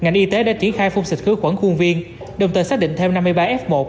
chủ tế đã triển khai phung sịch khứa quẩn khuôn viên đồng tờ xác định theo năm mươi ba f một